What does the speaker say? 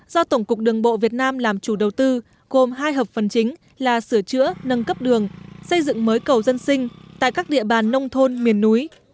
do tổng cục đường bộ việt nam làm chủ đầu tư gồm hai hợp phần chính là sửa chữa nâng cấp đường xây dựng mới cầu dân sinh tại các địa bàn nông thôn miền núi